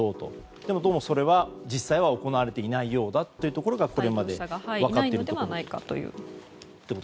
でも、どうもそれは実際は行われていないようだということがこれまで分かっているところ。